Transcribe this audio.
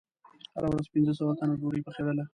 هره ورځ پنځه سوه تنه ډوډۍ پخېدله.